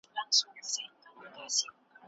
که نجونې خوشحاله وي نو غم به نه وي.